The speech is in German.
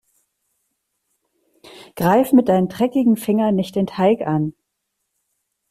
Greif mit deinen dreckigen Fingern nicht den Teig an.